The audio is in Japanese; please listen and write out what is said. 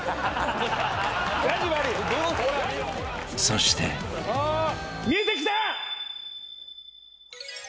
［そして］見えてきた！